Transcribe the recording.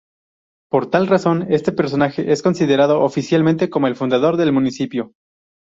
Por tal razón, este personaje es considerado oficialmente como el fundador del municipio.